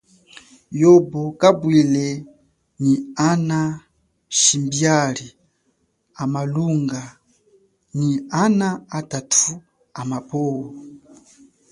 Yobo kapwile nyi ana shimbiali a malunga, nyi ana atathu amapwo.